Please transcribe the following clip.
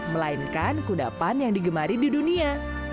melainkan kudapan yang digemari di dunia